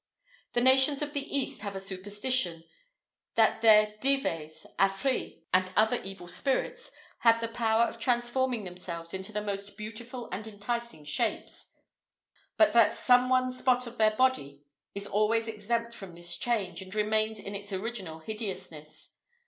The nations of the East have a superstition, that their Dives, Afrits, and other evil spirits, have the power of transforming themselves into the most beautiful and enticing shapes; but that some one spot of their body is always exempt from this change, and remains in its original hideousness.